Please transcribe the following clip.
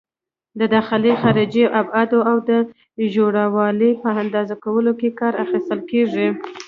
د داخلي، خارجي ابعادو او د ژوروالي په اندازه کولو کې کار اخیستل کېږي.